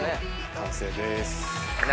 完成です。